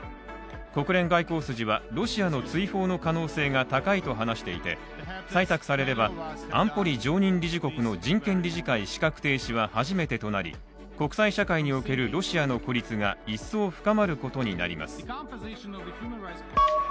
国連外交筋はロシアの追放の可能性が高いと話していて採択されれば、安保理常任理事国の人権理事会資格停止は初めてとなり国際社会におけるロシアの孤立が一層深まることになります。